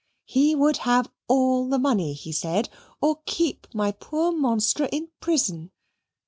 He would have all the money, he said, or keep my poor monstre in prison.